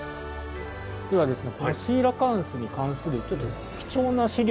ではですね